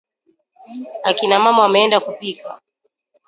Akina mama wameenda kupika.